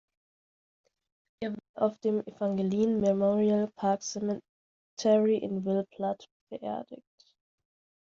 Er wurde auf dem "Evangeline Memorial Park Cemetery" in Ville Platte beerdigt.